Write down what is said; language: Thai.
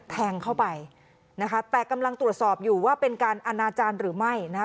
แทงเข้าไปนะคะแต่กำลังตรวจสอบอยู่ว่าเป็นการอนาจารย์หรือไม่นะคะ